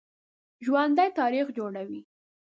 ژوندي تاریخ جوړوي